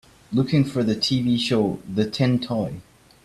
Looking for the TV show the Tin Toy